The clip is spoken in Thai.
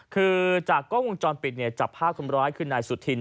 คือจากกล้องวงจรปิดจับภาพคนร้ายขึ้นในสุทิน